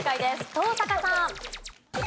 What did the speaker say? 登坂さん。